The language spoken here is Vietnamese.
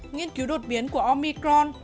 nghiên cứu đột biến của omicron